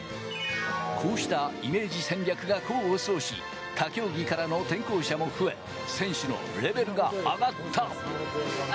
こうしたイメージ戦略が功を奏し、他競技からの転向者も増え、選手のレベルが上がった。